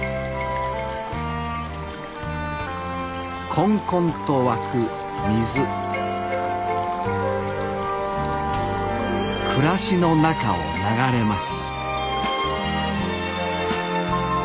こんこんと湧く水暮らしの中を流れます